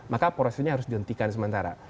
maka prosesnya harus dihentikan sementara